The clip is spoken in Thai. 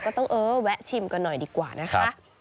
เออต้องเออแวะชิมกันหน่อยดีกว่านะคะ